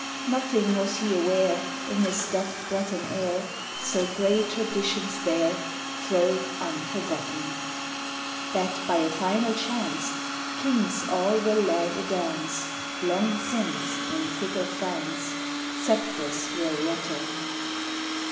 (Nothing was he aware In his deaf Breton air, So gray traditions there Throve unforgotten, That, by a final chance, Kings all were led a dance; Long since, in fickle France, Sceptres were rotten!)